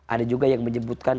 ada juga yang menyebutkan